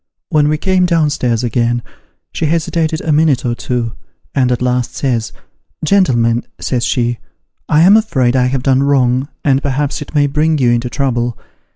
When we came down stairs again, she hesitated a minute or two, and at last says, ' Gentlemen,' says she, ' I am afraid I have done wrong, and perhaps it may bring you into trouble.